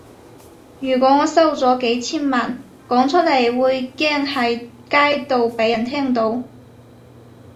如果我收咗幾千萬，講出嚟會驚喺街度畀人聽到